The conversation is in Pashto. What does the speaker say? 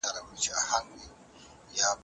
د کرني سکټور باید له پامه ونه غورځول سي.